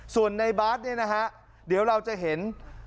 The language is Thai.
ส่วนในบาร์ดเดี๋ยวเราจะเห็น